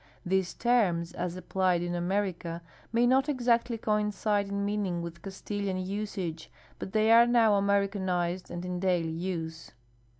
These terms, as applied in America, may not exactly coincide in meaning with Castilian usage, but they are now Americanized and in daily use.